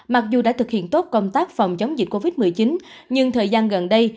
mặc dù đã thực hiện tốt công tác phòng chống dịch covid một mươi chín nhưng thời gian gần đây